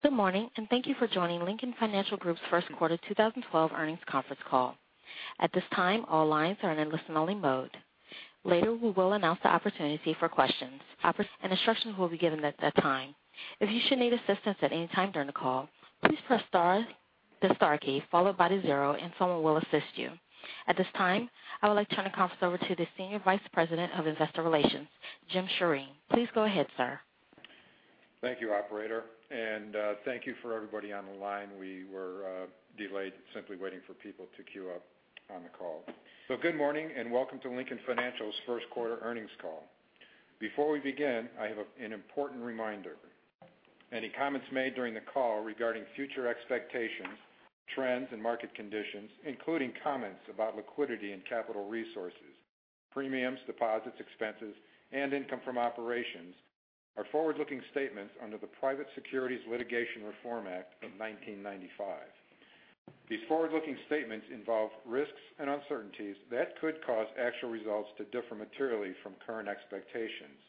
Good morning, and thank you for joining Lincoln Financial Group's first quarter 2012 earnings conference call. At this time, all lines are in a listen-only mode. Later, we will announce the opportunity for questions. Instructions will be given at that time. If you should need assistance at any time during the call, please press the star key, followed by the 0, and someone will assist you. At this time, I would like to turn the conference over to the Senior Vice President of Investor Relations, Jim Shrein. Please go ahead, sir. Thank you, operator. Thank you for everybody on the line. We were delayed simply waiting for people to queue up on the call. Good morning, and welcome to Lincoln Financial's first quarter earnings call. Before we begin, I have an important reminder. Any comments made during the call regarding future expectations, trends, and market conditions, including comments about liquidity and capital resources, premiums, deposits, expenses, and income from operations, are forward-looking statements under the Private Securities Litigation Reform Act of 1995. These forward-looking statements involve risks and uncertainties that could cause actual results to differ materially from current expectations.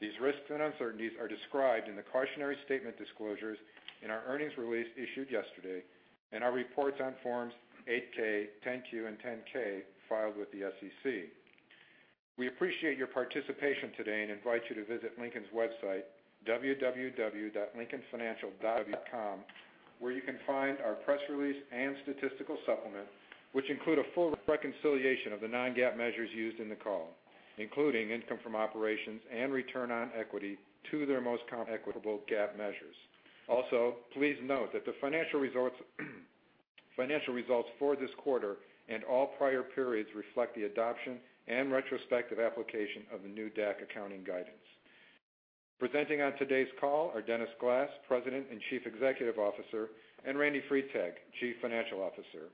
These risks and uncertainties are described in the cautionary statement disclosures in our earnings release issued yesterday, and our reports on forms 8-K, 10-Q, and 10-K filed with the SEC. We appreciate your participation today and invite you to visit Lincoln's website, www.lincolnfinancial.com, where you can find our press release and statistical supplement, which include a full reconciliation of the non-GAAP measures used in the call, including income from operations and return on equity to their most comparable GAAP measures. Also, please note that the financial results for this quarter and all prior periods reflect the adoption and retrospective application of the new DAC accounting guidance. Presenting on today's call are Dennis Glass, President and Chief Executive Officer, and Randal Freitag, Chief Financial Officer.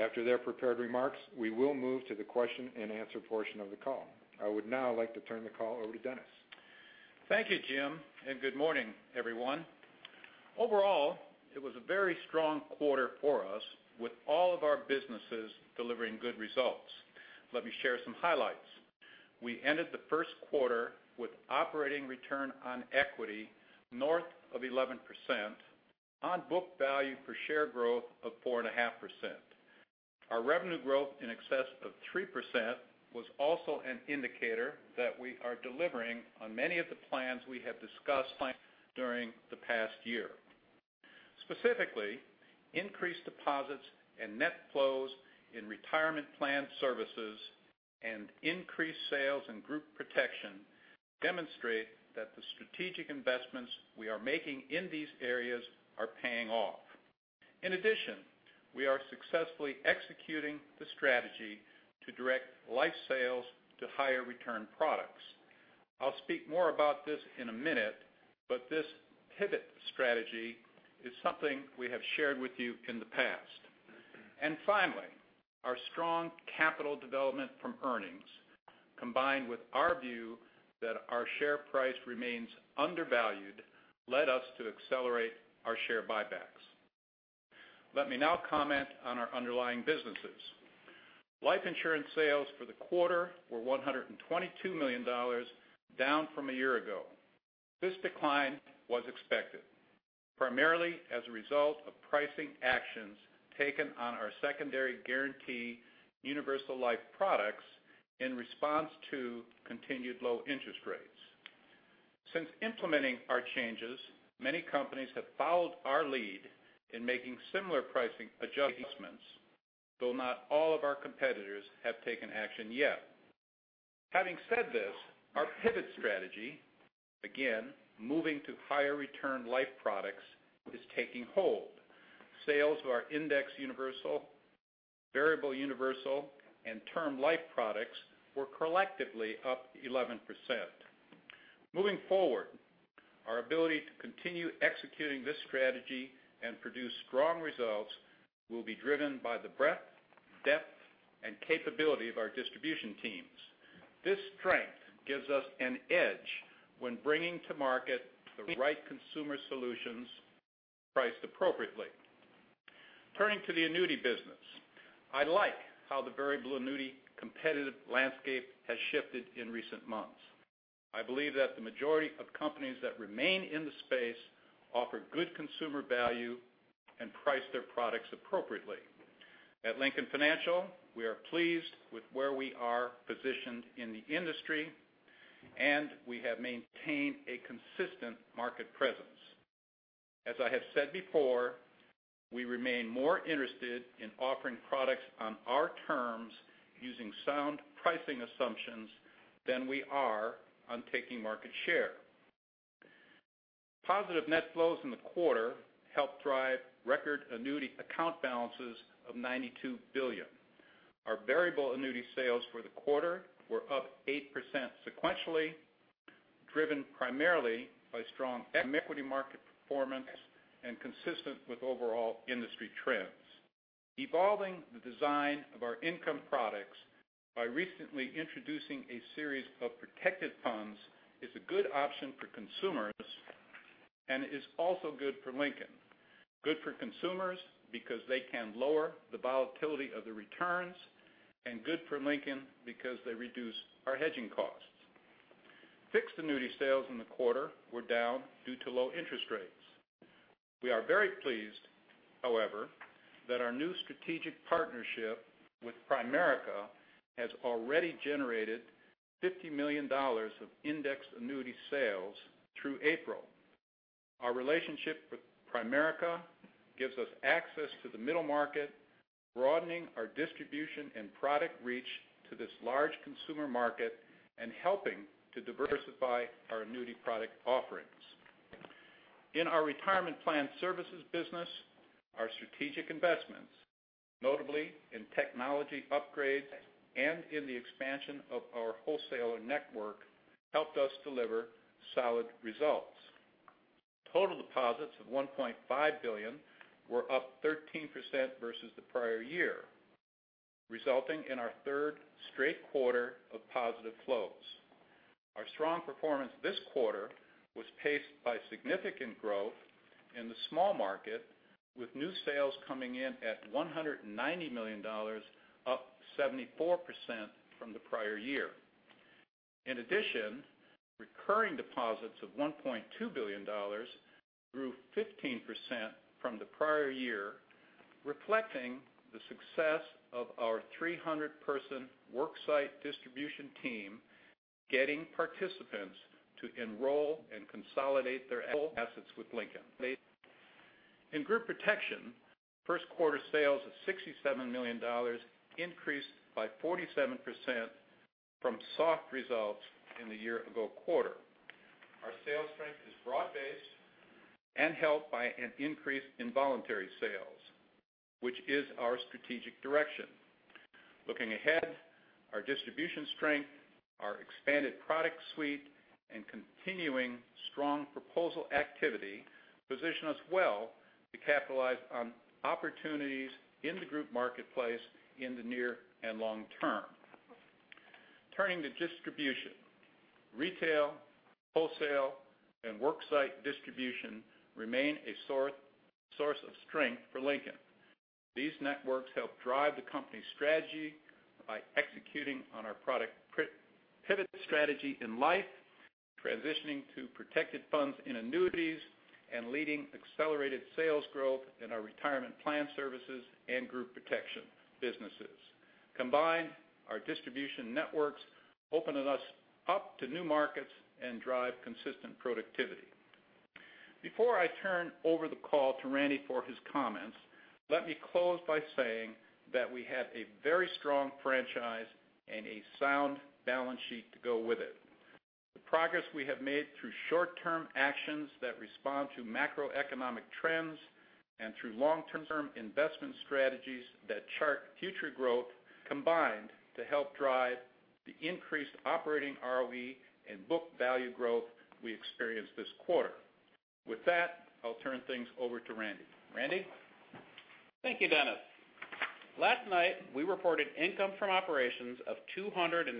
After their prepared remarks, we will move to the question and answer portion of the call. I would now like to turn the call over to Dennis. Thank you, Jim, and good morning, everyone. Overall, it was a very strong quarter for us, with all of our businesses delivering good results. Let me share some highlights. We ended the first quarter with operating return on equity north of 11%, on-book value per share growth of 4.5%. Our revenue growth in excess of 3% was also an indicator that we are delivering on many of the plans we have discussed during the past year. Specifically, increased deposits and net flows in retirement plan services and increased sales in group protection demonstrate that the strategic investments we are making in these areas are paying off. In addition, we are successfully executing the strategy to direct life sales to higher return products. I'll speak more about this in a minute, but this pivot strategy is something we have shared with you in the past. Finally, our strong capital development from earnings, combined with our view that our share price remains undervalued, led us to accelerate our share buybacks. Let me now comment on our underlying businesses. Life insurance sales for the quarter were $122 million, down from a year ago. This decline was expected, primarily as a result of pricing actions taken on our secondary guarantee universal life products in response to continued low interest rates. Since implementing our changes, many companies have followed our lead in making similar pricing adjustments, though not all of our competitors have taken action yet. Having said this, our pivot strategy, again, moving to higher return life products, is taking hold. Sales of our Indexed Universal, Variable Universal, and term life products were collectively up 11%. Moving forward, our ability to continue executing this strategy and produce strong results will be driven by the breadth, depth, and capability of our distribution teams. This strength gives us an edge when bringing to market the right consumer solutions priced appropriately. Turning to the annuity business. I like how the Variable Annuity competitive landscape has shifted in recent months. I believe that the majority of companies that remain in the space offer good consumer value and price their products appropriately. At Lincoln Financial, we are pleased with where we are positioned in the industry, and we have maintained a consistent market presence. As I have said before, we remain more interested in offering products on our terms using sound pricing assumptions than we are on taking market share. Positive net flows in the quarter helped drive record annuity account balances of $92 billion. Our Variable Annuity sales for the quarter were up 8% sequentially, driven primarily by strong equity market performance and consistent with overall industry trends. Evolving the design of our income products by recently introducing a series of Protected Funds is a good option for consumers and is also good for Lincoln. Good for consumers because they can lower the volatility of the returns, and good for Lincoln because they reduce our hedging costs. Fixed Annuity sales in the quarter were down due to low interest rates. We are very pleased, however, that our new strategic partnership with Primerica has already generated $50 million of Indexed Annuity sales through April. Our relationship with Primerica gives us access to the middle market, broadening our distribution and product reach to this large consumer market and helping to diversify our annuity product offerings. In our retirement plan services business, our strategic investments, notably in technology upgrades and in the expansion of our wholesaler network, helped us deliver solid results. Total deposits of $1.5 billion were up 13% versus the prior year, resulting in our third straight quarter of positive flows. Our strong performance this quarter was paced by significant growth in the small market, with new sales coming in at $190 million, up 74% from the prior year. In addition, recurring deposits of $1.2 billion grew 15% from the prior year, reflecting the success of our 300-person worksite distribution team, getting participants to enroll and consolidate their old assets with Lincoln. In group protection, first quarter sales of $67 million increased by 47% from soft results in the year ago quarter. Our sales strength is broad-based and helped by an increase in voluntary sales, which is our strategic direction. Looking ahead, our distribution strength, our expanded product suite, and continuing strong proposal activity position us well to capitalize on opportunities in the group marketplace in the near and long term. Turning to distribution. Retail, wholesale, and worksite distribution remain a source of strength for Lincoln. These networks help drive the company's strategy by executing on our product pivot strategy in life, transitioning to Protected Funds in annuities, and leading accelerated sales growth in our retirement plan services and group protection businesses. Combined, our distribution networks open us up to new markets and drive consistent productivity. Before I turn over the call to Randy for his comments, let me close by saying that we have a very strong franchise and a sound balance sheet to go with it. The progress we have made through short-term actions that respond to macroeconomic trends and through long-term investment strategies that chart future growth combined to help drive the increased operating ROE and book value growth we experienced this quarter. With that, I'll turn things over to Randy. Randy? Thank you, Dennis. Last night, we reported income from operations of $296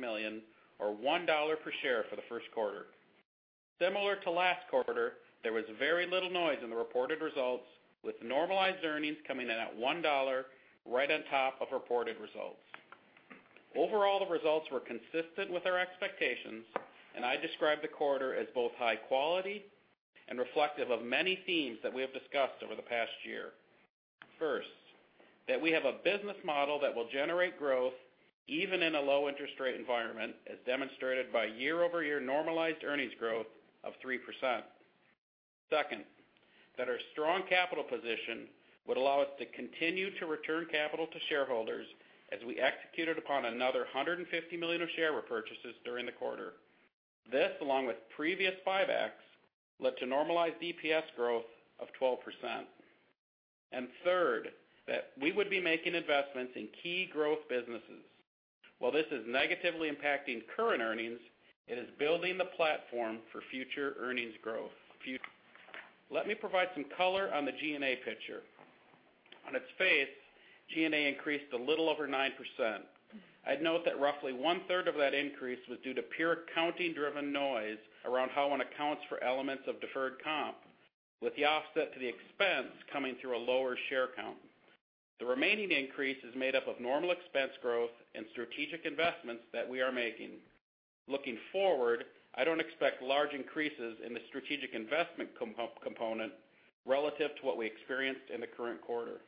million or $1 per share for the first quarter. Similar to last quarter, there was very little noise in the reported results, with normalized earnings coming in at $1, right on top of reported results. Overall, the results were consistent with our expectations, and I describe the quarter as both high quality and reflective of many themes that we have discussed over the past year. First, that we have a business model that will generate growth even in a low interest rate environment, as demonstrated by year-over-year normalized earnings growth of 3%. Second, that our strong capital position would allow us to continue to return capital to shareholders as we executed upon another $150 million of share repurchases during the quarter. This, along with previous buybacks, led to normalized DPS growth of 12%. Third, that we would be making investments in key growth businesses. While this is negatively impacting current earnings, it is building the platform for future earnings growth. Let me provide some color on the G&A picture. On its face, G&A increased a little over 9%. I'd note that roughly one-third of that increase was due to pure accounting driven noise around how one accounts for elements of deferred comp, with the offset to the expense coming through a lower share count. The remaining increase is made up of normal expense growth and strategic investments that we are making. Looking forward, I don't expect large increases in the strategic investment component relative to what we experienced in the current quarter.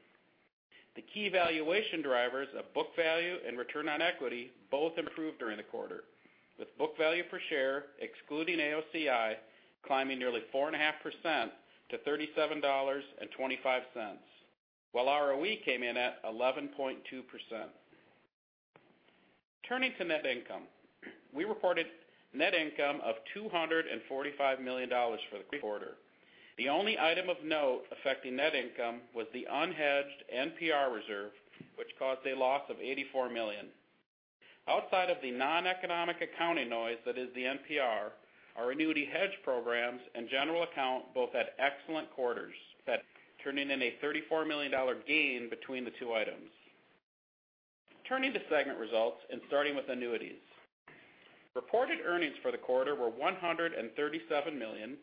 The key valuation drivers of book value and return on equity both improved during the quarter, with book value per share, excluding AOCI, climbing nearly 4.5% to $37.25, while ROE came in at 11.2%. Turning to net income. We reported net income of $245 million for the quarter. The only item of note affecting net income was the unhedged NPR reserve, which caused a loss of $84 million. Outside of the non-economic accounting noise that is the NPR, our annuity hedge programs and general account both had excellent quarters, turning in a $34 million gain between the two items. Turning to segment results and starting with annuities. Reported earnings for the quarter were $137 million.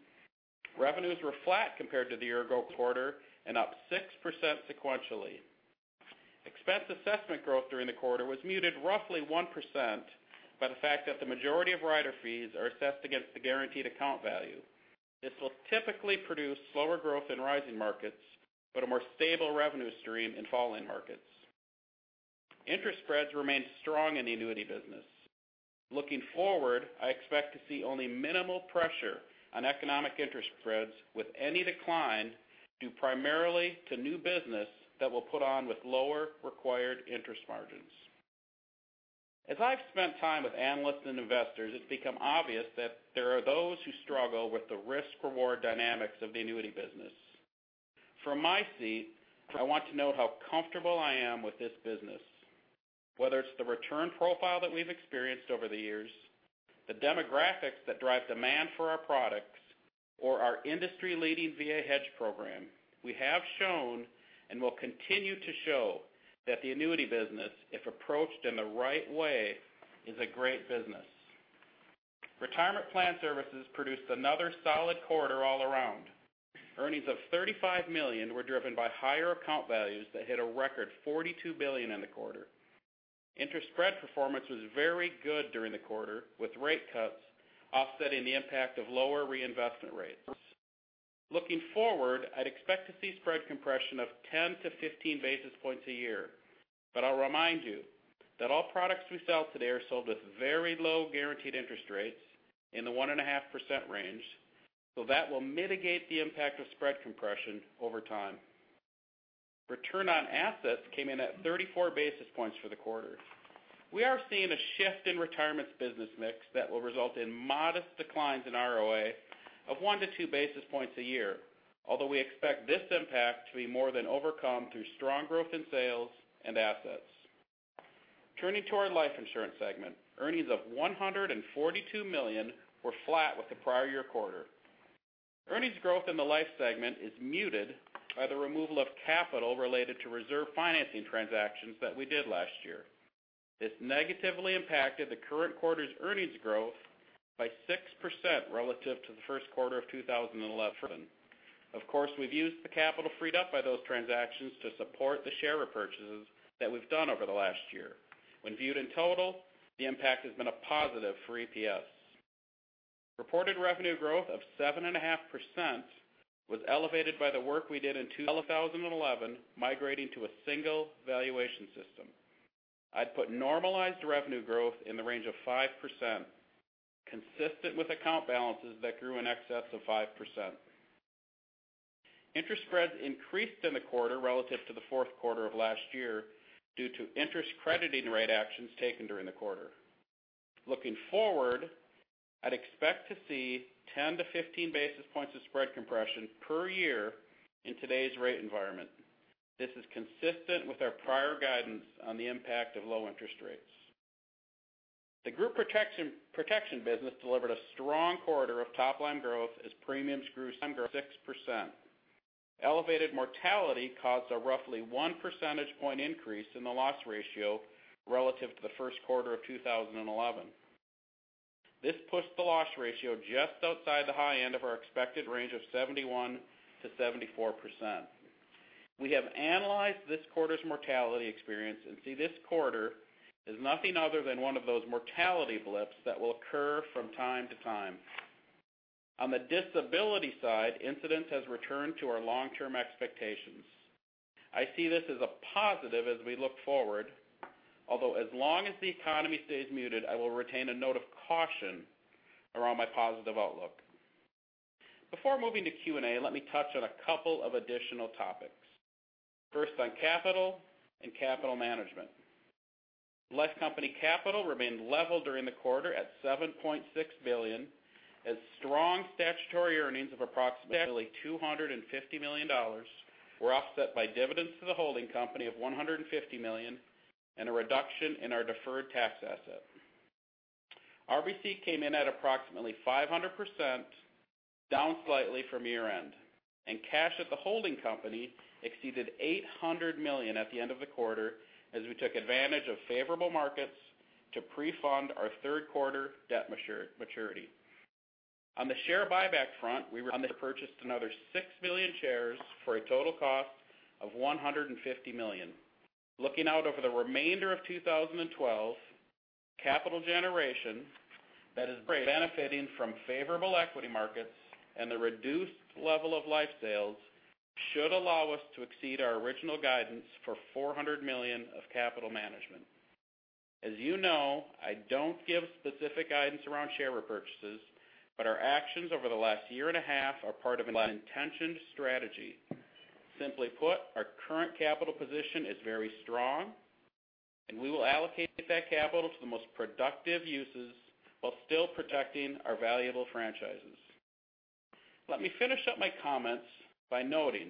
Revenues were flat compared to the year-ago quarter and up 6% sequentially. Expense assessment growth during the quarter was muted roughly 1% by the fact that the majority of rider fees are assessed against the guaranteed account value. This will typically produce slower growth in rising markets, but a more stable revenue stream in falling markets. Interest spreads remained strong in the annuity business. Looking forward, I expect to see only minimal pressure on economic interest spreads with any decline due primarily to new business that we'll put on with lower required interest margins. As I've spent time with analysts and investors, it's become obvious that there are those who struggle with the risk/reward dynamics of the annuity business. From my seat, I want to note how comfortable I am with this business. Whether it's the return profile that we've experienced over the years, the demographics that drive demand for our products, or our industry-leading VA hedge program, we have shown and will continue to show that the annuity business, if approached in the right way, is a great business. Retirement plan services produced another solid quarter all around. Earnings of $35 million were driven by higher account values that hit a record $42 billion in the quarter. Interest spread performance was very good during the quarter, with rate cuts offsetting the impact of lower reinvestment rates. Looking forward, I'd expect to see spread compression of 10-15 basis points a year. I'll remind you that all products we sell today are sold with very low guaranteed interest rates in the 1.5% range, so that will mitigate the impact of spread compression over time. Return on assets came in at 34 basis points for the quarter. We are seeing a shift in retirements business mix that will result in modest declines in ROA of 1-2 basis points a year, although we expect this impact to be more than overcome through strong growth in sales and assets. Turning to our life insurance segment. Earnings of $142 million were flat with the prior year quarter. Earnings growth in the life segment is muted by the removal of capital related to reserve financing transactions that we did last year. This negatively impacted the current quarter's earnings growth by 6% relative to the first quarter of 2011. Of course, we've used the capital freed up by those transactions to support the share repurchases that we've done over the last year. When viewed in total, the impact has been a positive for EPS. Reported revenue growth of 7.5% was elevated by the work we did in 2011, migrating to a single valuation system. I'd put normalized revenue growth in the range of 5%, consistent with account balances that grew in excess of 5%. Interest spreads increased in the quarter relative to the fourth quarter of last year due to interest crediting rate actions taken during the quarter. Looking forward, I'd expect to see 10 to 15 basis points of spread compression per year in today's rate environment. This is consistent with our prior guidance on the impact of low interest rates. The group protection business delivered a strong quarter of top-line growth as premiums grew 6%. Elevated mortality caused a roughly one percentage point increase in the loss ratio relative to the first quarter of 2011. This pushed the loss ratio just outside the high end of our expected range of 71%-74%. We have analyzed this quarter's mortality experience and see this quarter as nothing other than one of those mortality blips that will occur from time to time. On the disability side, incidence has returned to our long-term expectations. I see this as a positive as we look forward, although as long as the economy stays muted, I will retain a note of caution around my positive outlook. Before moving to Q&A, let me touch on a couple of additional topics. First on capital and capital management. Life company capital remained level during the quarter at $7.6 billion as strong statutory earnings of approximately $250 million were offset by dividends to the holding company of $150 million and a reduction in our deferred tax asset. RBC came in at approximately 500%, down slightly from year-end, and cash at the holding company exceeded $800 million at the end of the quarter as we took advantage of favorable markets to pre-fund our third quarter debt maturity. On the share buyback front, we purchased another six million shares for a total cost of $150 million. Looking out over the remainder of 2012, capital generation that is benefiting from favorable equity markets and the reduced level of life sales should allow us to exceed our original guidance for $400 million of capital management. As you know, I don't give specific guidance around share repurchases, but our actions over the last year and a half are part of an intentioned strategy. Simply put, our current capital position is very strong, and we will allocate that capital to the most productive uses while still protecting our valuable franchises. Let me finish up my comments by noting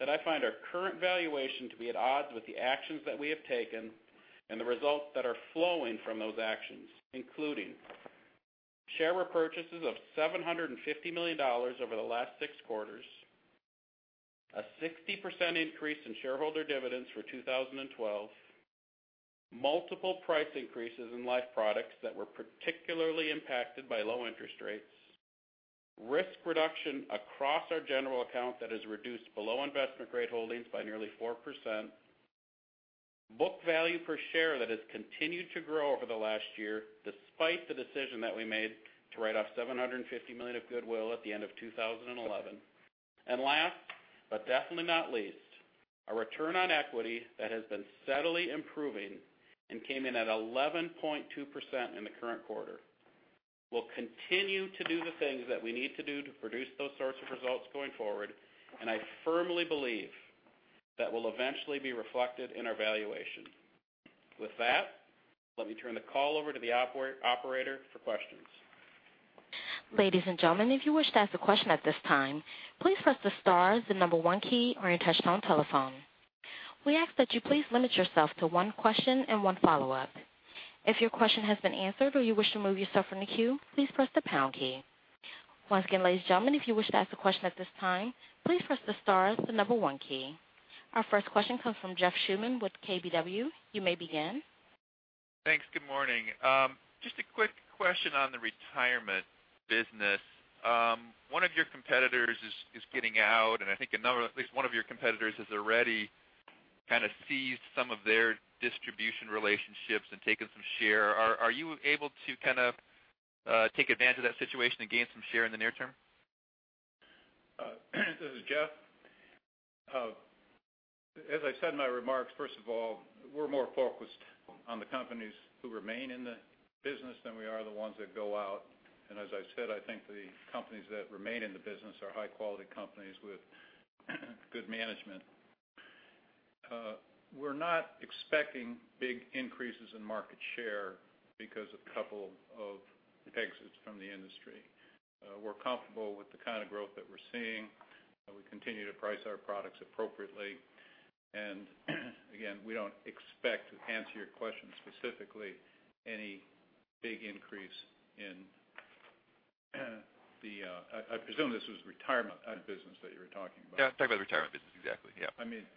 that I find our current valuation to be at odds with the actions that we have taken and the results that are flowing from those actions, including share repurchases of $750 million over the last six quarters A 60% increase in shareholder dividends for 2012, multiple price increases in life products that were particularly impacted by low interest rates, risk reduction across our general account that has reduced below investment-grade holdings by nearly 4%, book value per share that has continued to grow over the last year despite the decision that we made to write off $750 million of goodwill at the end of 2011. Last but definitely not least, a return on equity that has been steadily improving and came in at 11.2% in the current quarter. We'll continue to do the things that we need to do to produce those sorts of results going forward. I firmly believe that will eventually be reflected in our valuation. With that, let me turn the call over to the operator for questions. Ladies and gentlemen, if you wish to ask a question at this time, please press the star, the number one key on your touchtone telephone. We ask that you please limit yourself to one question and one follow-up. If your question has been answered or you wish to remove yourself from the queue, please press the pound key. Once again, ladies and gentlemen, if you wish to ask a question at this time, please press the star, the number one key. Our first question comes from Jeff Schuman with KBW. You may begin. Thanks. Good morning. Just a quick question on the retirement business. One of your competitors is getting out and I think at least one of your competitors has already kind of seized some of their distribution relationships and taken some share. Are you able to take advantage of that situation and gain some share in the near term? This is Jeff. As I said in my remarks, first of all, we're more focused on the companies who remain in the business than we are the ones that go out. As I said, I think the companies that remain in the business are high-quality companies with good management. We're not expecting big increases in market share because of a couple of exits from the industry. We're comfortable with the kind of growth that we're seeing. We continue to price our products appropriately. Again, we don't expect, to answer your question specifically, any big increase. I assume this was retirement business that you were talking about. Yeah, I'm talking about the retirement business. Exactly, yeah.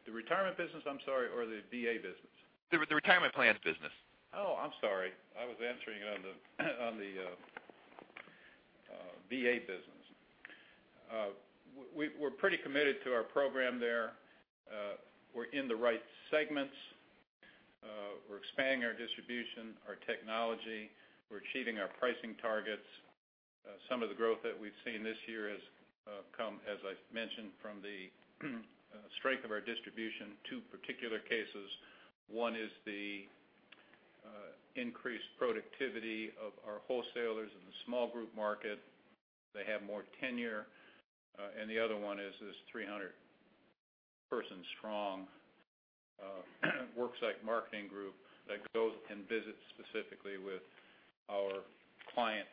The retirement business, I'm sorry, or the VA business? The retirement plans business. I'm sorry. I was answering it on the VA business. We're pretty committed to our program there. We're in the right segments. We're expanding our distribution, our technology. We're achieving our pricing targets. Some of the growth that we've seen this year has come, as I've mentioned, from the strength of our distribution. Two particular cases. One is the increased productivity of our wholesalers in the small group market. They have more tenure. The other one is this 300-person strong worksite marketing group that goes and visits specifically with our client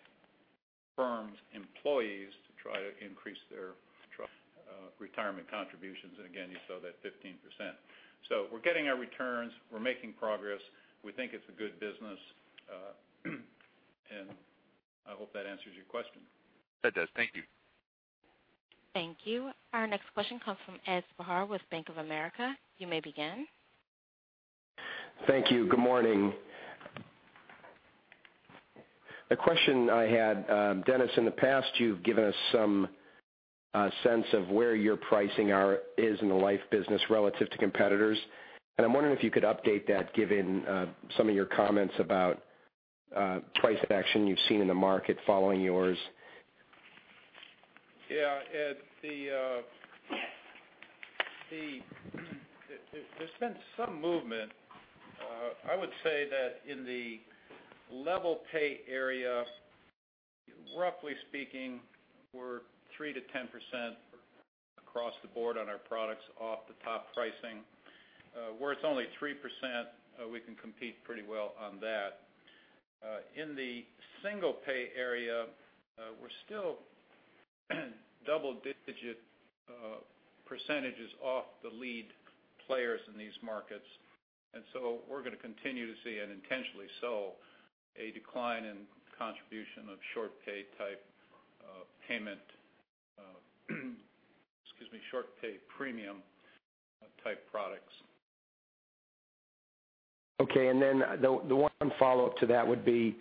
firms' employees to try to increase their retirement contributions. Again, you saw that 15%. We're getting our returns. We're making progress. We think it's a good business. I hope that answers your question. That does. Thank you. Thank you. Our next question comes from Ed Spehar with Bank of America. You may begin. Thank you. Good morning. The question I had, Dennis, in the past you've given us some sense of where your pricing is in the life business relative to competitors and I'm wondering if you could update that given some of your comments about price action you've seen in the market following yours. Yeah. Ed, there's been some movement. I would say that in the level pay area, roughly speaking, we're 3%-10% across the board on our products off-the-top pricing. Where it's only 3%, we can compete pretty well on that. In the single pay area, we're still double-digit percentages off the lead players in these markets. We're going to continue to see, and intentionally so, a decline in contribution of short pay premium type products. Okay. The one follow-up to that would be,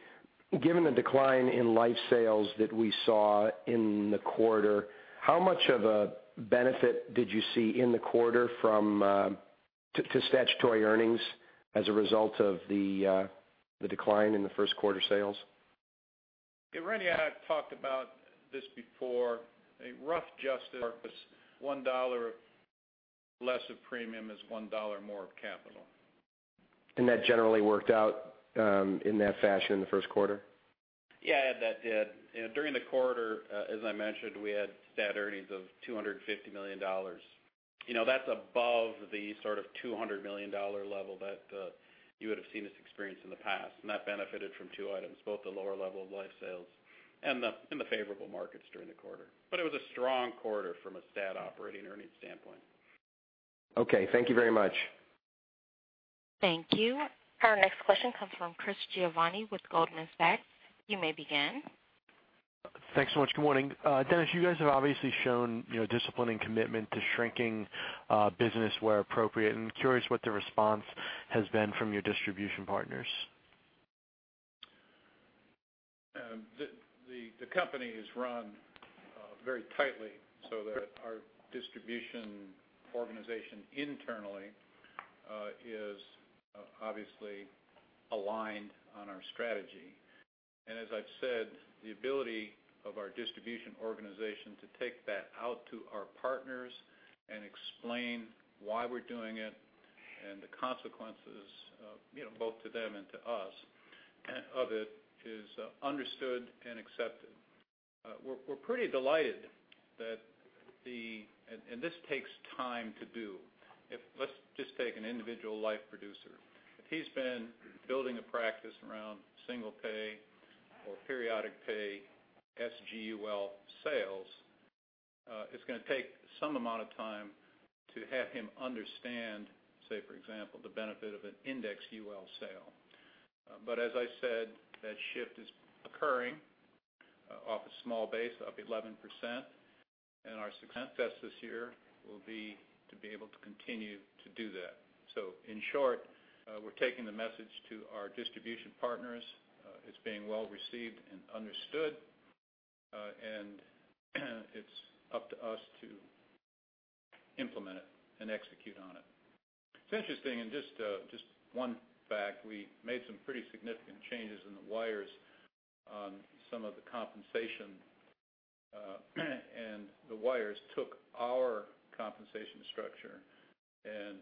given the decline in life sales that we saw in the quarter, how much of a benefit did you see in the quarter to statutory earnings as a result of the decline in the first quarter sales? Randy and I have talked about this before. A rough guesstimate is $1 less of premium is $1 more of capital. That generally worked out in that fashion in the first quarter? Yeah, that did. During the quarter, as I mentioned, we had stat earnings of $250 million. That's above the sort of $200 million level that you would've seen us experience in the past. That benefited from two items, both the lower level of life sales and the favorable markets during the quarter. It was a strong quarter from a stat operating earnings standpoint. Okay. Thank you very much. Thank you. Our next question comes from Chris Giovanni with Goldman Sachs. You may begin. Thanks so much. Good morning. Dennis, you guys have obviously shown discipline and commitment to shrinking business where appropriate, and I'm curious what the response has been from your distribution partners. The company is run very tightly so that our distribution organization internally is obviously aligned on our strategy. As I've said, the ability of our distribution organization to take that out to our partners and explain why we're doing it and the consequences, both to them and to us, of it is understood and accepted. We're pretty delighted. This takes time to do. Let's just take an individual life producer. If he's been building a practice around single pay or periodic pay SGUL sales, it's going to take some amount of time to have him understand, say, for example, the benefit of an indexed UL sale. As I said, that shift is occurring off a small base of 11%, and our success this year will be to be able to continue to do that. In short, we're taking the message to our distribution partners. It's being well received and understood. It's up to us to implement it and execute on it. It's interesting, just one fact, we made some pretty significant changes in the wires on some of the compensation, the wires took our compensation structure and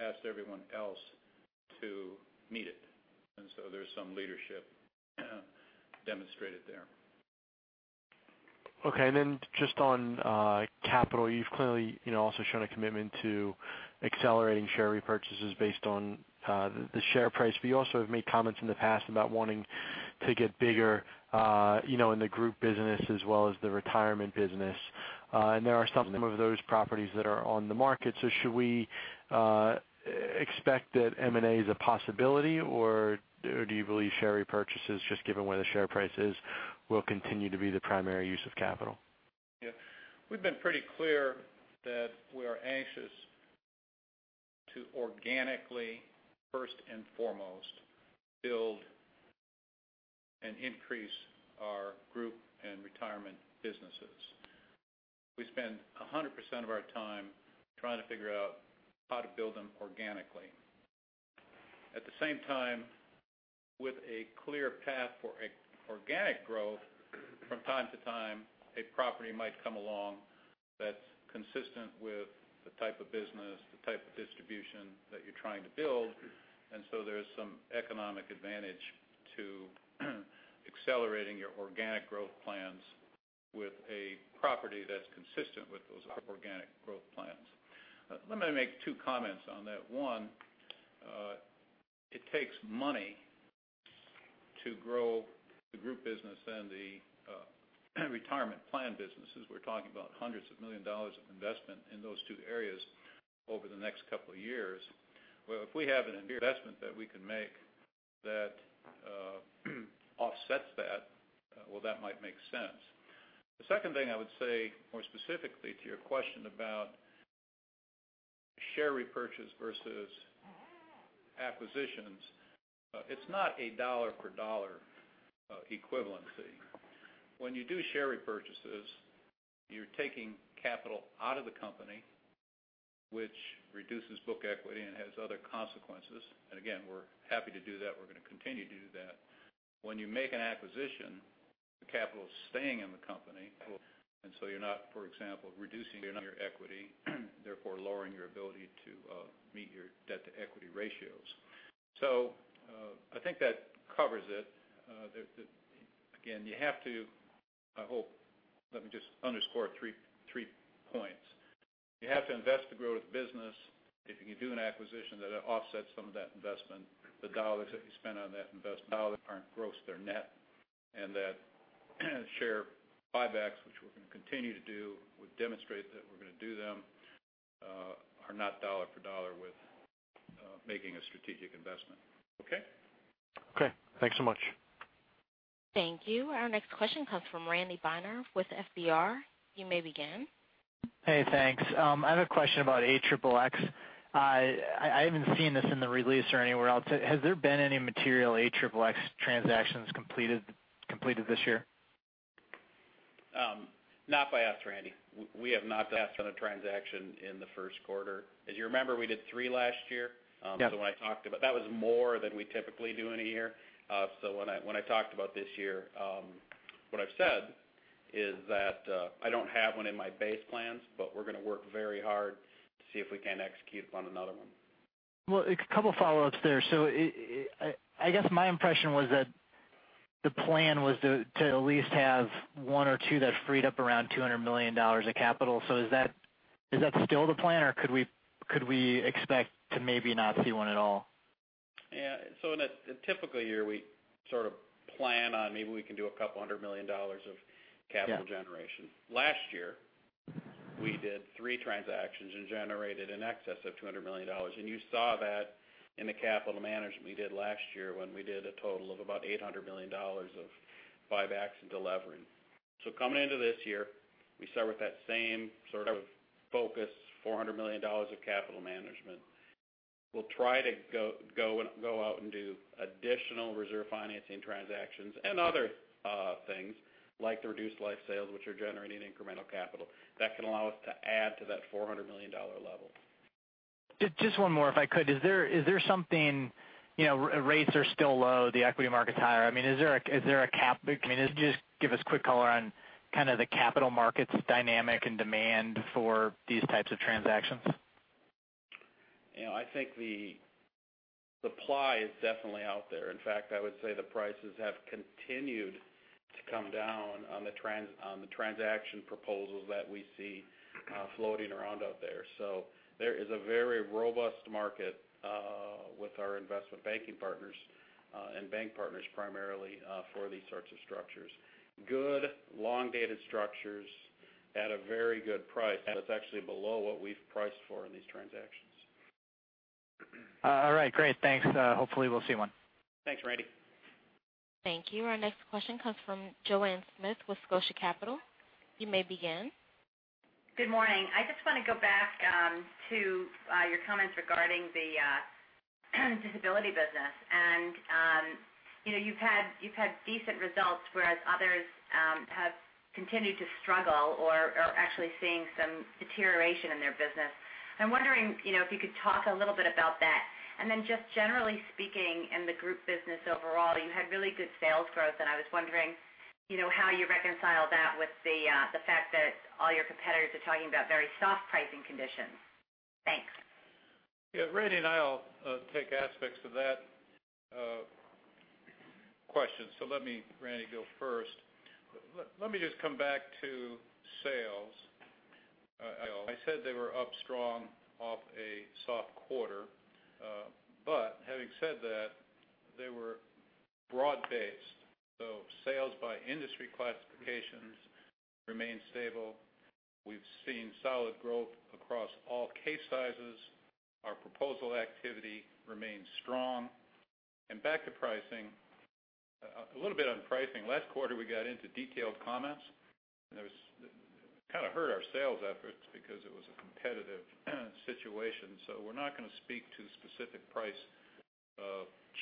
asked everyone else to meet it. There's some leadership demonstrated there. Okay, just on capital, you've clearly also shown a commitment to accelerating share repurchases based on the share price. You also have made comments in the past about wanting to get bigger, in the group business as well as the retirement business. There are some of those properties that are on the market. Should we expect that M&A is a possibility, or do you believe share repurchases, just given where the share price is, will continue to be the primary use of capital? Yeah. We've been pretty clear that we are anxious to organically, first and foremost, build and increase our group and retirement businesses. We spend 100% of our time trying to figure out how to build them organically. At the same time, with a clear path for organic growth, from time to time, a property might come along that's consistent with the type of business, the type of distribution that you're trying to build, there's some economic advantage to accelerating your organic growth plans with a property that's consistent with those organic growth plans. Let me make two comments on that. One, it takes money to grow the group business and the retirement plan businesses. We're talking about hundreds of million dollars of investment in those two areas over the next couple of years. If we have an investment that we can make that offsets that, well, that might make sense. The second thing I would say, more specifically to your question about share repurchase versus acquisitions, it's not a dollar per dollar equivalency. When you do share repurchases, you're taking capital out of the company, which reduces book equity and has other consequences. Again, we're happy to do that. We're going to continue to do that. When you make an acquisition, the capital is staying in the company. You're not, for example, reducing your net equity, therefore lowering your ability to meet your debt to equity ratios. I think that covers it. Again, you have to, Let me just underscore three points. You have to invest to grow the business. If you do an acquisition that offsets some of that investment, the dollars that you spend on that investment aren't gross, they're net, and that share buybacks, which we're going to continue to do, we've demonstrated that we're going to do them, are not dollar for dollar with making a strategic investment. Okay? Okay. Thanks so much. Thank you. Our next question comes from Randy Binner with FBR. You may begin. Hey, thanks. I have a question about AXXX. I haven't seen this in the release or anywhere else. Has there been any material AXXX transactions completed this year? Not by us, Randy. We have not done a transaction in the first quarter. As you remember, we did three last year. Yeah. When I talked about that was more than we typically do in a year. When I talked about this year, what I've said is that I don't have one in my base plans, but we're going to work very hard to see if we can execute on another one. Well, a couple follow-ups there. I guess my impression was that the plan was to at least have one or two that freed up around $200 million of capital. Is that still the plan, or could we expect to maybe not see one at all? Yeah. In a typical year, we sort of plan on maybe we can do a couple hundred million dollars of capital generation. Yeah. Last year, we did three transactions and generated in excess of $200 million. You saw that in the capital management we did last year, when we did a total of about $800 million of buybacks and delevering. Coming into this year, we start with that same sort of focus, $400 million of capital management. We'll try to go out and do additional reserve financing transactions and other things, like the reduced life sales, which are generating incremental capital. That can allow us to add to that $400 million level. Just one more, if I could. Rates are still low, the equity market's higher. Just give us a quick color on kind of the capital markets dynamic and demand for these types of transactions. I think the supply is definitely out there. In fact, I would say the prices have continued to come down on the transaction proposals that we see floating around out there. There is a very robust market with our investment banking partners and bank partners primarily for these sorts of structures. Good long-dated structures at a very good price that's actually below what we've priced for in these transactions. All right. Great. Thanks. Hopefully we'll see one. Thanks, Randy. Thank you. Our next question comes from Joanne Smith with Scotia Capital. You may begin. Good morning. I just want to go back to your comments regarding the disability business. You've had decent results, whereas others have continued to struggle or are actually seeing some deterioration in their business. I'm wondering if you could talk a little bit about that. Just generally speaking, in the group business overall, you had really good sales growth, and I was wondering how you reconcile that with the fact that all your competitors are talking about very soft pricing conditions. Thanks. Yeah. Randy and I will take aspects of that question. Let me, Randy, go first. Let me just come back to sales. I said they were up strong off a soft quarter. Having said that, they were broad based, so sales by industry classifications remain stable. We've seen solid growth across all case sizes. Our proposal activity remains strong. Back to pricing, a little bit on pricing. Last quarter, we got into detailed comments, and it kind of hurt our sales efforts because it was a competitive situation. We're not going to speak to specific price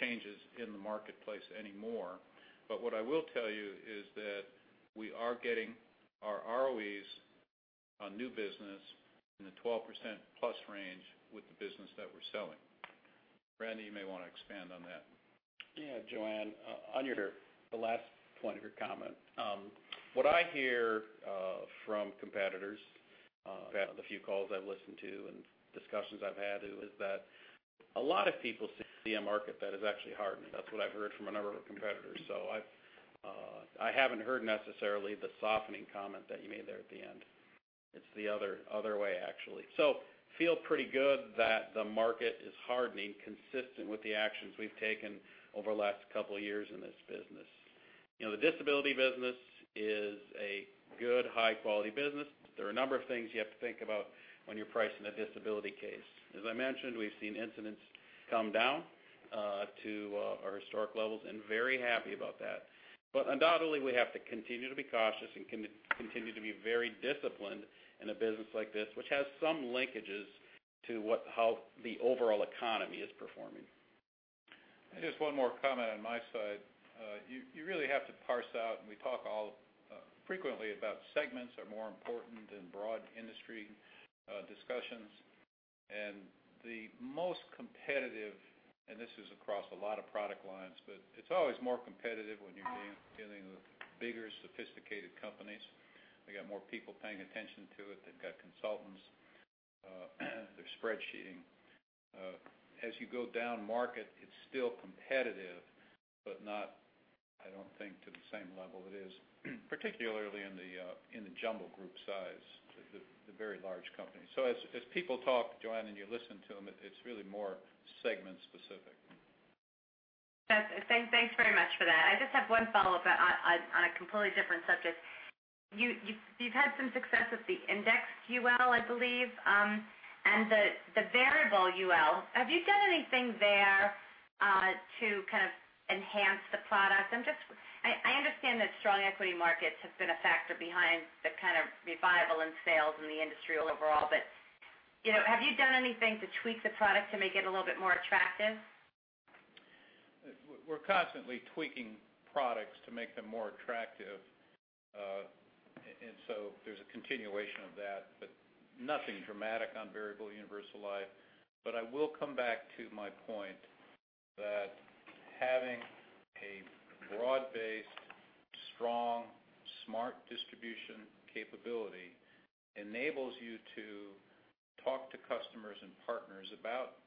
changes in the marketplace anymore. What I will tell you is that we are getting our ROEs on new business in the 12%-plus range with the business that we're selling. Randy, you may want to expand on that. Yeah, Joanne, on the last point of your comment. What I hear from competitors on the few calls I've listened to and discussions I've had, is that a lot of people seem to see a market that is actually hardened. That's what I've heard from a number of competitors. I haven't heard necessarily the softening comment that you made there at the end. It's the other way, actually. Feel pretty good that the market is hardening consistent with the actions we've taken over the last couple of years in this business. The disability business is a good, high-quality business. There are a number of things you have to think about when you're pricing a disability case. As I mentioned, we've seen incidents come down to our historic levels, and very happy about that. Undoubtedly, we have to continue to be cautious and continue to be very disciplined in a business like this, which has some linkages to how the overall economy is performing. Just one more comment on my side. You really have to parse out, and we talk frequently about segments are more important than broad industry discussions. The most competitive, and this is across a lot of product lines, but it's always more competitive when you're dealing with bigger, sophisticated companies. They got more people paying attention to it. They've got consultants. They're spreadsheeting. As you go down market, it's still competitive, but not, I don't think, to the same level it is, particularly in the jumbo group size, the very large companies. As people talk, Joanne, and you listen to them, it's really more segment specific. Thanks very much for that. I just have one follow-up on a completely different subject. You've had some success with the Indexed UL, I believe, and the variable UL. Have you done anything there to kind of enhance the product? I understand that strong equity markets have been a factor behind the kind of revival in sales in the industry overall, but have you done anything to tweak the product to make it a little bit more attractive? We're constantly tweaking products to make them more attractive, there's a continuation of that, nothing dramatic on variable universal life. I will come back to my point that having a broad-based, strong, smart distribution capability enables you to talk to customers and partners about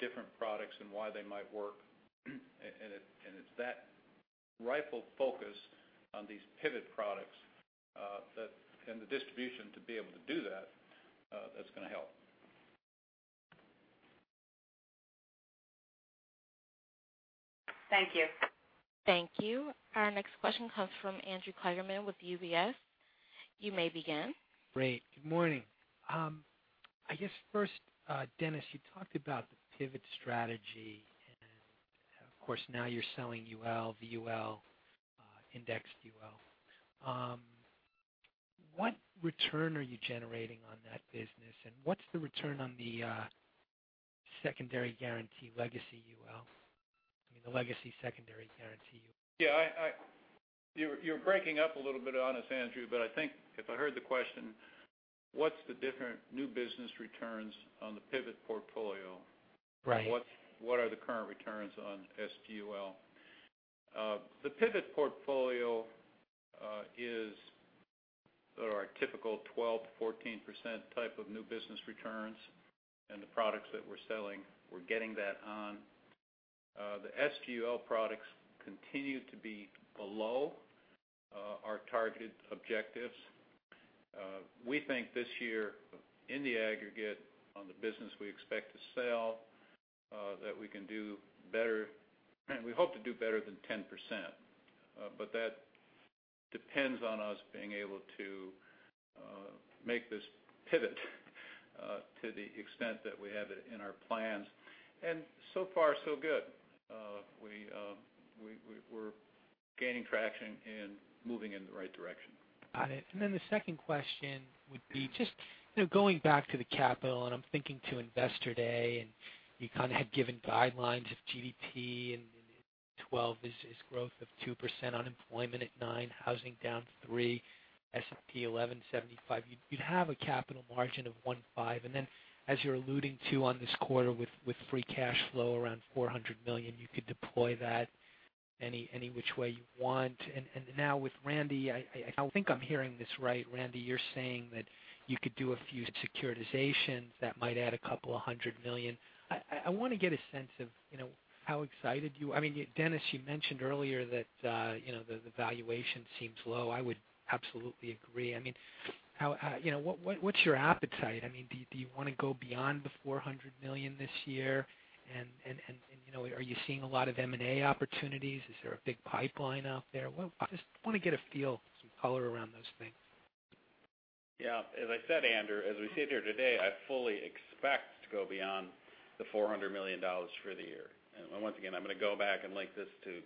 different products and why they might work. It's that rightful focus on these pivot products, and the distribution to be able to do that's going to help. Thank you. Thank you. Our next question comes from Andrew Kligerman with UBS. You may begin. Great. Good morning. I guess first, Dennis, you talked about the pivot strategy. Of course, now you're selling UL, VUL, indexed UL. What return are you generating on that business, and what's the return on the secondary guarantee legacy UL? I mean, the legacy secondary guarantee UL. Yeah. You're breaking up a little bit on us, Andrew, I think if I heard the question, what's the different new business returns on the pivot portfolio? Right. What are the current returns on SGUL? The pivot portfolio is our typical 12%-14% type of new business returns. The products that we're selling, we're getting that on. The SGUL products continue to be below our targeted objectives. We think this year, in the aggregate on the business we expect to sell, that we can do better, and we hope to do better than 10%. That depends on us being able to make this pivot to the extent that we have it in our plans. So far so good. We're gaining traction and moving in the right direction. Got it. The second question would be just going back to the capital, I'm thinking to Investor Day, you kind of had given guidelines if GDP in 2012 is growth of 2%, unemployment at nine, housing down three, S&P 1175, you'd have a capital margin of one five. As you're alluding to on this quarter with free cash flow around $400 million, you could deploy that any which way you want. Now with Randy, I think I'm hearing this right. Randy, you're saying that you could do a few securitizations that might add a couple of $100 million. I want to get a sense of how excited you. Dennis, you mentioned earlier that the valuation seems low. I would absolutely agree. What's your appetite? Do you want to go beyond the $400 million this year? Are you seeing a lot of M&A opportunities? Is there a big pipeline out there? I just want to get a feel, some color around those things. Yeah. As I said, Andrew, as we sit here today, I fully expect to go beyond the $400 million for the year. Once again, I'm going to go back and link this to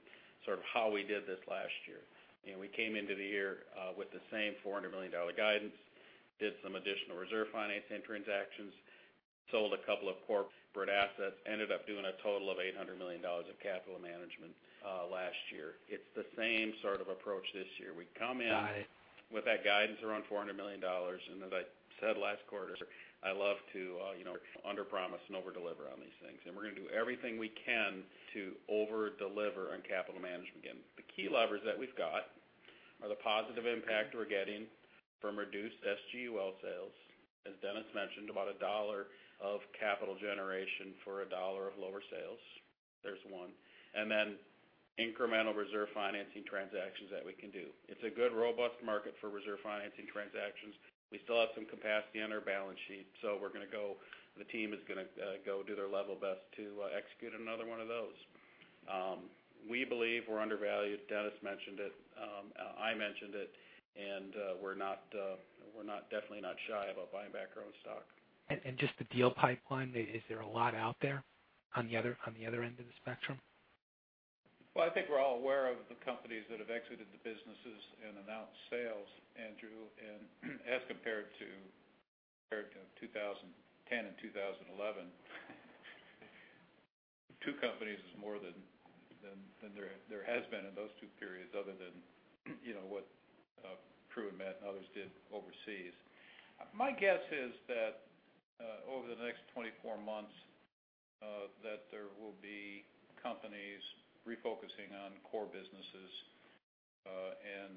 sort of how we did this last year. We came into the year with the same $400 million guidance, did some additional reserve financing transactions, sold a couple of corporate assets, ended up doing a total of $800 million of capital management last year. It's the same sort of approach this year. We come in- Got it with that guidance around $400 million. As I said last quarter, I love to underpromise and overdeliver on these things. We're going to do everything we can to overdeliver on capital management. Again, the key levers that we've got are the positive impact we're getting from reduced SGUL sales. As Dennis mentioned, about a dollar of capital generation for a dollar of lower sales. There's one. Then incremental reserve financing transactions that we can do. It's a good, robust market for reserve financing transactions. We still have some capacity on our balance sheet, so we're going to go. The team is going to go do their level best to execute another one of those. We believe we're undervalued. Dennis mentioned it. I mentioned it, we're definitely not shy about buying back our own stock. Just the deal pipeline, is there a lot out there on the other end of the spectrum? Well, I think we're all aware of the companies that have exited the businesses and announced sales, Andrew. As compared to 2010 and 2011, two companies is more than there has been in those two periods other than what Prudential Financial and others did overseas. My guess is that over the next 24 months, there will be companies refocusing on core businesses, and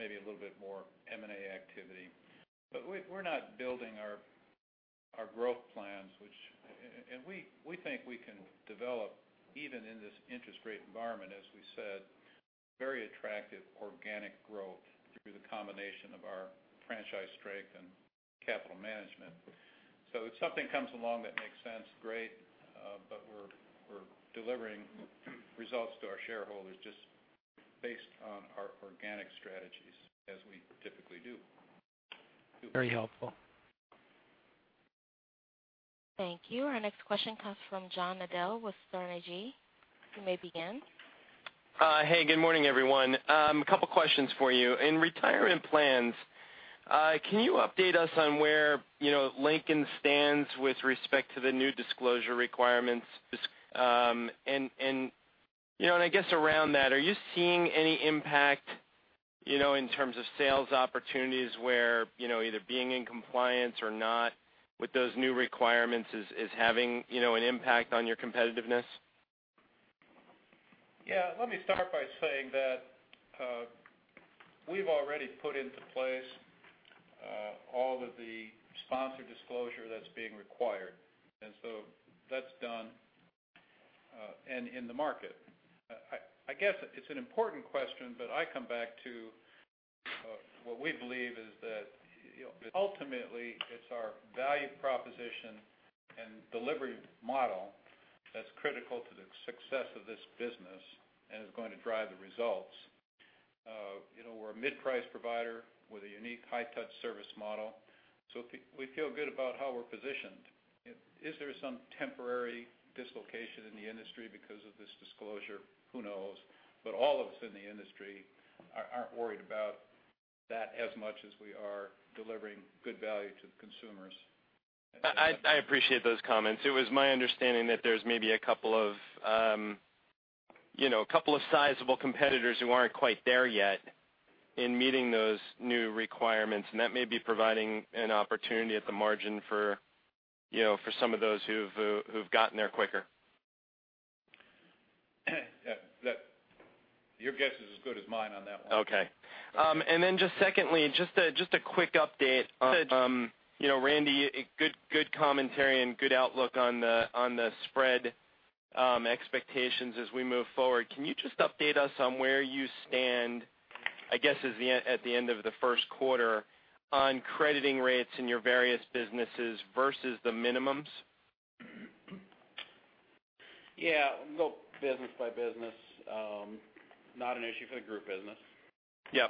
maybe a little bit more M&A activity. We're not building our growth plans. We think we can develop, even in this interest rate environment, as we said, very attractive organic growth through the combination of our franchise strength and capital management. If something comes along that makes sense, great. We're delivering results to our shareholders just based on our organic strategies as we typically do. Very helpful. Thank you. Our next question comes from John Nadel with Sterne, Agee & Leach. You may begin. Hey, good morning, everyone. A couple questions for you. In retirement plans, can you update us on where Lincoln stands with respect to the new disclosure requirements? I guess around that, are you seeing any impact in terms of sales opportunities where either being in compliance or not with those new requirements is having an impact on your competitiveness? Yeah, let me start by saying that We've already put into place all of the sponsor disclosure that's being required. That's done and in the market. I guess it's an important question, but I come back to what we believe is that ultimately it's our value proposition and delivery model that's critical to the success of this business and is going to drive the results. We're a mid-price provider with a unique high-touch service model. We feel good about how we're positioned. Is there some temporary dislocation in the industry because of this disclosure? Who knows. All of us in the industry aren't worried about that as much as we are delivering good value to the consumers. I appreciate those comments. It was my understanding that there's maybe a couple of sizable competitors who aren't quite there yet in meeting those new requirements, and that may be providing an opportunity at the margin for some of those who've gotten there quicker. Your guess is as good as mine on that one. Okay. Just secondly, just a quick update. Randy, good commentary and good outlook on the spread expectations as we move forward. Can you just update us on where you stand, I guess at the end of the first quarter, on crediting rates in your various businesses versus the minimums? Yeah. Look, business by business, not an issue for the group business. Yeah.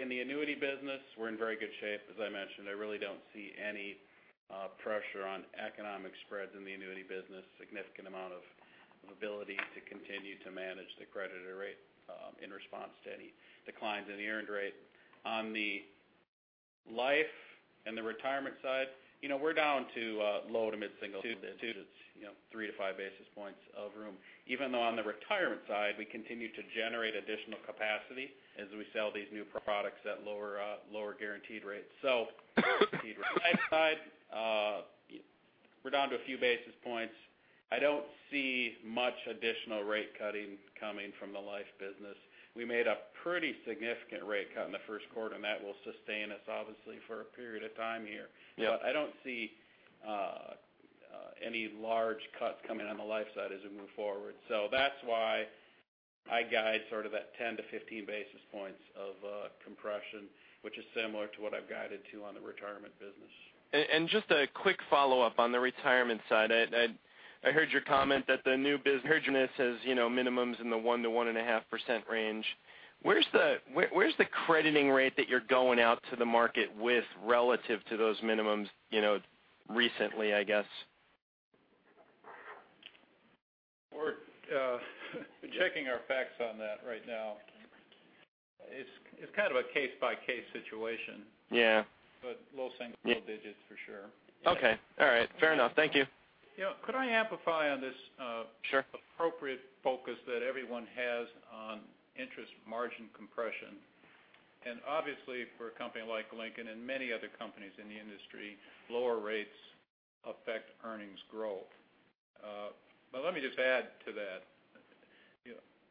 In the annuity business, we're in very good shape. As I mentioned, I really don't see any pressure on economic spreads in the annuity business, significant amount of ability to continue to manage the crediting rate in response to any declines in the earned rate. On the life and the retirement side, we're down to low- to mid-single digits, 3-5 basis points of room. Even though on the retirement side, we continue to generate additional capacity as we sell these new products at lower guaranteed rates. On the life side, we're down to a few basis points. I don't see much additional rate cutting coming from the life business. We made a pretty significant rate cut in the first quarter, and that will sustain us, obviously, for a period of time here. Yeah. I don't see any large cuts coming on the life side as we move forward. That's why I guide sort of at 10-15 basis points of compression, which is similar to what I've guided to on the retirement business. Just a quick follow-up on the retirement side. I heard your comment that the new business has minimums in the 1%-1.5% range. Where's the crediting rate that you're going out to the market with relative to those minimums recently, I guess? We're checking our facts on that right now. It's kind of a case-by-case situation. Yeah. Low single digits for sure. Okay. All right. Fair enough. Thank you. Could I amplify on this? Sure appropriate focus that everyone has on interest margin compression. Obviously, for a company like Lincoln and many other companies in the industry, lower rates affect earnings growth. Let me just add to that.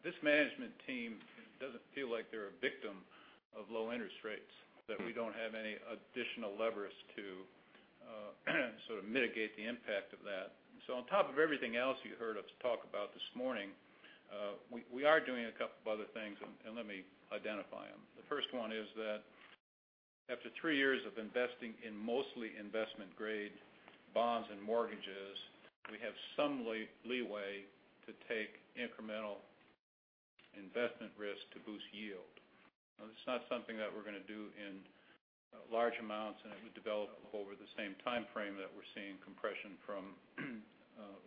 This management team doesn't feel like they're a victim of low interest rates, that we don't have any additional levers to sort of mitigate the impact of that. On top of everything else you heard us talk about this morning, we are doing a couple of other things, and let me identify them. The first one is that after three years of investing in mostly investment-grade bonds and mortgages, we have some leeway to take incremental investment risk to boost yield. Now, this is not something that we're going to do in large amounts, and it would develop over the same timeframe that we're seeing compression from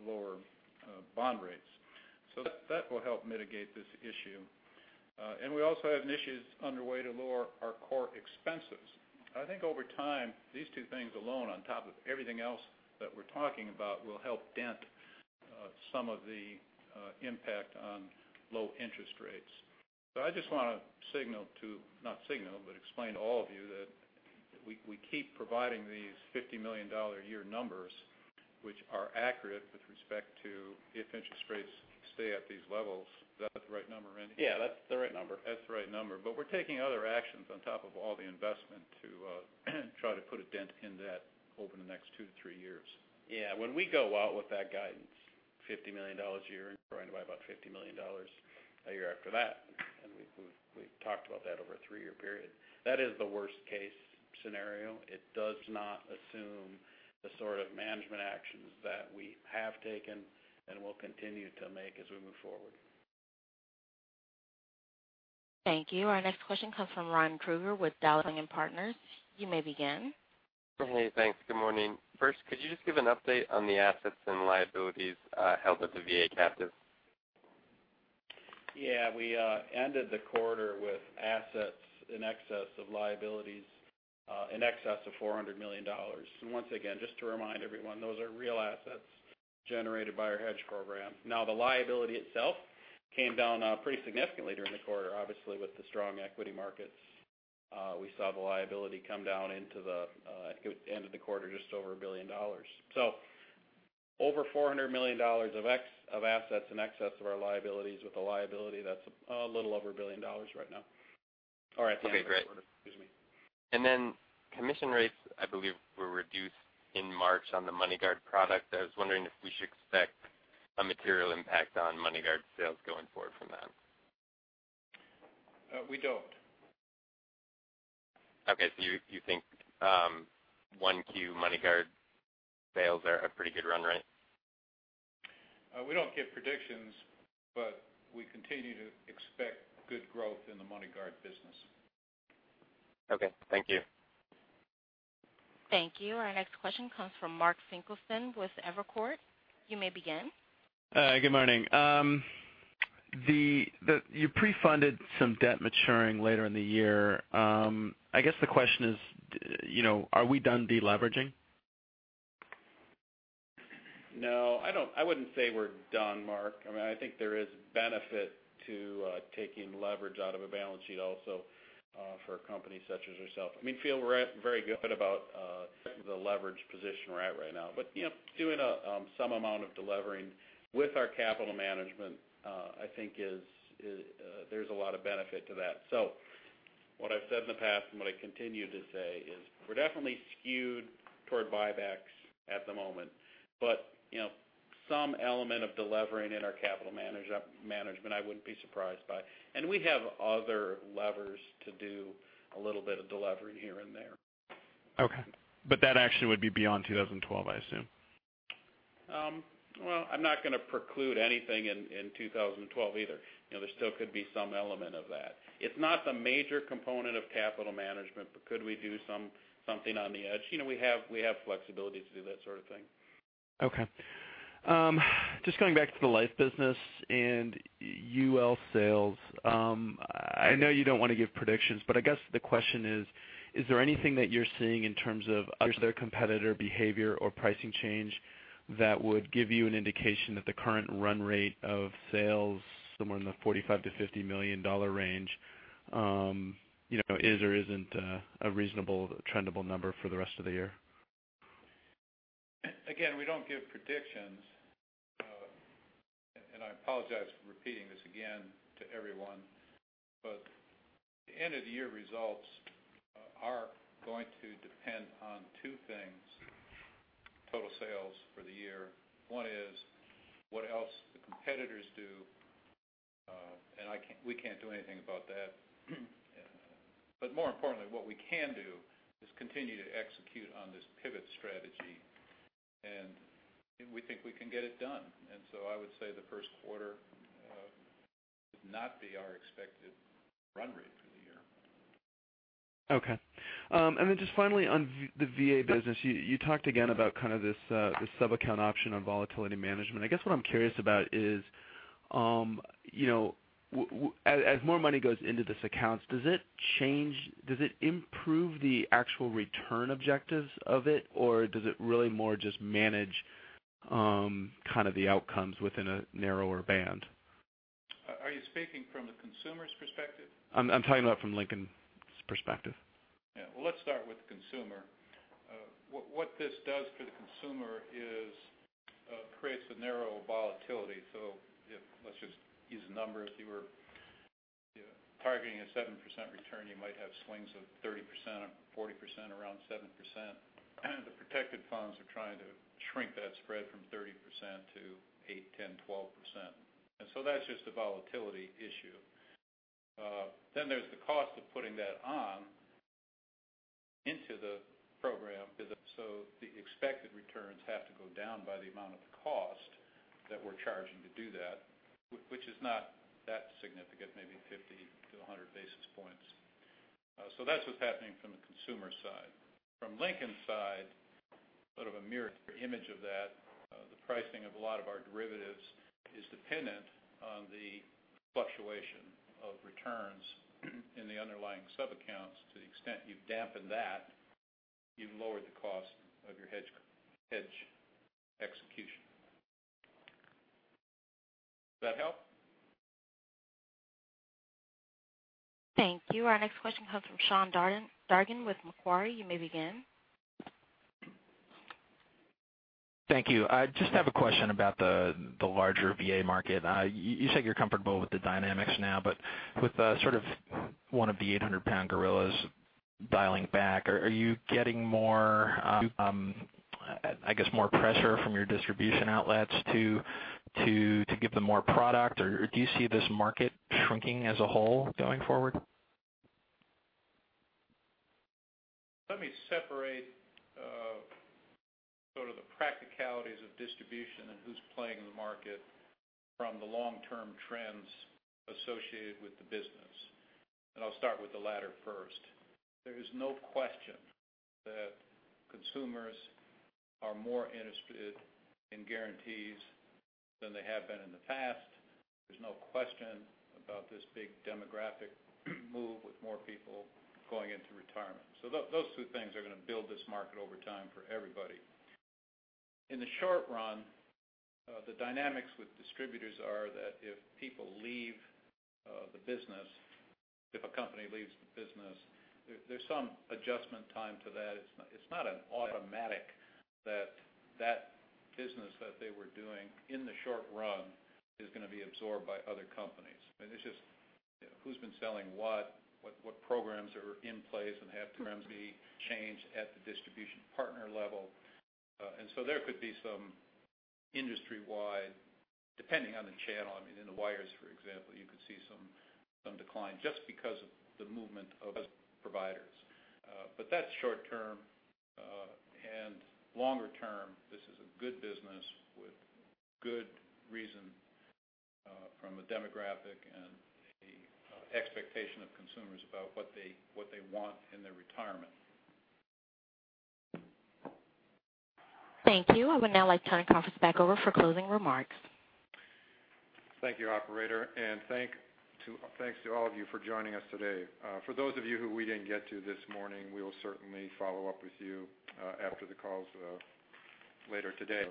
lower bond rates. That will help mitigate this issue. We also have initiatives underway to lower our core expenses. I think over time, these two things alone, on top of everything else that we're talking about, will help dent some of the impact on low interest rates. I just want to signal to, not signal, but explain to all of you that we keep providing these $50 million a year numbers, which are accurate with respect to if interest rates stay at these levels. Is that the right number, Randy? Yeah, that's the right number. That's the right number. We're taking other actions on top of all the investment to try to put a dent in that over the next two to three years. Yeah. When we go out with that guidance, $50 million a year and growing by about $50 million a year after that, we've talked about that over a three-year period. That is the worst-case scenario. It does not assume the sort of management actions that we have taken and will continue to make as we move forward. Thank you. Our next question comes from Ron Kruger with Dowling & Partners. You may begin. Hey, thanks. Good morning. First, could you just give an update on the assets and liabilities held at the VA captive? Yeah. We ended the quarter with assets in excess of liabilities in excess of $400 million. Once again, just to remind everyone, those are real assets generated by our hedge program. Now, the liability itself came down pretty significantly during the quarter. Obviously, with the strong equity markets, we saw the liability come down into the end of the quarter just over $1 billion. Over $400 million of assets in excess of our liabilities with a liability that's a little over $1 billion right now or at the end of the quarter. Okay, great. Excuse me. Commission rates, I believe, were reduced in March on the MoneyGuard product. I was wondering if we should expect a material impact on MoneyGuard sales going forward from that. We don't. Okay. You think 1Q MoneyGuard sales are a pretty good run rate? We don't give predictions, we continue to expect good growth in the MoneyGuard business. Okay. Thank you. Thank you. Our next question comes from Mark Finkelstein with Evercore. You may begin. Good morning. You pre-funded some debt maturing later in the year. I guess the question is, are we done de-leveraging? No, I wouldn't say we're done, Mark. I think there is benefit to taking leverage out of a balance sheet also for a company such as ourself. We feel very good about the leverage position we're at right now. Doing some amount of de-levering with our capital management, I think there's a lot of benefit to that. What I've said in the past and what I continue to say is we're definitely skewed toward buybacks at the moment. Some element of de-levering in our capital management, I wouldn't be surprised by. We have other levers to do a little bit of de-levering here and there. Okay. That actually would be beyond 2012, I assume. Well, I'm not going to preclude anything in 2012 either. There still could be some element of that. It's not the major component of capital management, but could we do something on the edge? We have flexibility to do that sort of thing. Okay. Just going back to the life business and UL sales. I guess the question is there anything that you're seeing in terms of other competitor behavior or pricing change that would give you an indication that the current run rate of sales somewhere in the $45 million-$50 million range is or isn't a reasonable trendable number for the rest of the year? Again, we don't give predictions. I apologize for repeating this again to everyone, the end of the year results are going to depend on two things, total sales for the year. One is what else the competitors do, We can't do anything about that. More importantly, what we can do is continue to execute on this pivot strategy, We think we can get it done. I would say the first quarter would not be our expected run rate for the year. Okay. Just finally on the VA business, you talked again about kind of this sub-account option on volatility management. I guess what I'm curious about is as more money goes into these accounts, does it improve the actual return objectives of it, or does it really more just manage kind of the outcomes within a narrower band? Are you speaking from a consumer's perspective? I'm talking about from Lincoln's perspective. Yeah. Well, let's start with the consumer. What this does for the consumer is creates a narrow volatility. If, let's just use a number. If you were targeting a 7% return, you might have swings of 30% or 40% around 7%. The Protected Funds are trying to shrink that spread from 30% to 8, 10, 12%. That's just a volatility issue. There's the cost of putting that on into the program. The expected returns have to go down by the amount of the cost that we're charging to do that, which is not that significant, maybe 50 to 100 basis points. That's what's happening from the consumer side. From Lincoln's side, sort of a mirror image of that. The pricing of a lot of our derivatives is dependent on the fluctuation of returns in the underlying sub-accounts. To the extent you've dampened that, you've lowered the cost of your hedge execution. Does that help? Thank you. Our next question comes from Sean Dargan with Macquarie. You may begin. Thank you. I just have a question about the larger VA market. You said you're comfortable with the dynamics now, but with sort of one of the 800-pound gorillas dialing back, are you getting more pressure from your distribution outlets to give them more product, or do you see this market shrinking as a whole going forward? Let me separate sort of the practicalities of distribution and who's playing in the market from the long-term trends associated with the business. I'll start with the latter first. There is no question that consumers are more interested in guarantees than they have been in the past. There's no question about this big demographic move with more people going into retirement. Those two things are going to build this market over time for everybody. In the short run, the dynamics with distributors are that if people leave the business, if a company leaves the business, there's some adjustment time to that. It's not an automatic that that business that they were doing in the short run is going to be absorbed by other companies. It's just who's been selling what programs are in place and have terms be changed at the distribution partner level. There could be some industry-wide, depending on the channel, I mean, in the wires, for example, you could see some decline just because of the movement of providers. That's short term. Longer term, this is a good business with good reason from a demographic and an expectation of consumers about what they want in their retirement. Thank you. I would now like to turn the conference back over for closing remarks. Thank you, operator. Thanks to all of you for joining us today. For those of you who we didn't get to this morning, we will certainly follow up with you after the calls later today.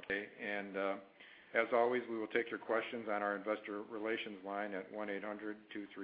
As always, we will take your questions on our investor relations line at 1-800-234.